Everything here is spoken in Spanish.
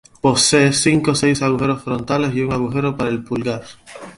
Posee cinco o seis agujeros frontales y un agujero para el pulgar.